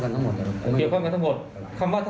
เหตุการณ์ที่ผ่านมาหลาย